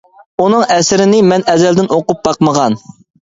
ئۇنىڭ ئەسىرىنى مەن ئەزەلدىن ئوقۇپ باقمىغان.